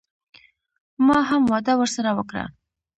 ما هم وعده ورسره وکړه.